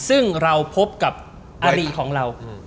ซึ่งเราพบกับอารีของเรา